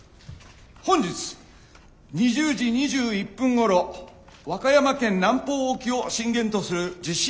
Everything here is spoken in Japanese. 本日２０時２１分ごろ和歌山県南方沖を震源とする地震が発生しました。